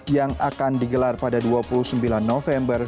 yang akan digelar pada dua puluh sembilan november dua ribu tujuh belas